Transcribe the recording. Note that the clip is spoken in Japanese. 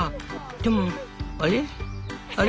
でもあれ？